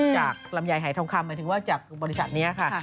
ลำไยหายทองคำหมายถึงว่าจากบริษัทนี้ค่ะ